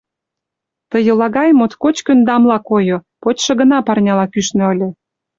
Ты йолагай моткоч кӧндамла койо, почшо гына парняла кӱшнӧ ыле.